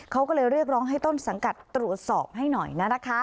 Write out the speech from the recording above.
เขาก็เลยเรียกร้องให้ต้นสังกัดตรวจสอบให้หน่อย